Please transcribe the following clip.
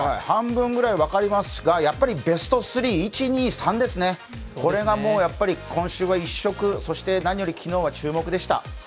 半分くらい分かりますが、やっぱりベスト３、１・２・３ですね、これがやっぱり今週は一色、そして何より昨日は注目でした。